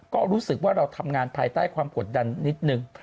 ก็รู้สึกว่าเราทำงานภายใต้ความกดดันนิดนึง